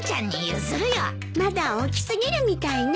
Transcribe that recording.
まだ大き過ぎるみたいね。